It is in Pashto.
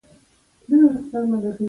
د زیږون خونه د ژوند د پیل سمبول دی.